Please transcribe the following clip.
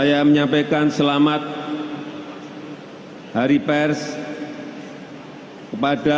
di manapun bapak ibu dan saudara saudara berada